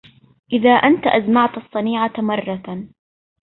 إذا أنت أزمعت الصنيعة مرة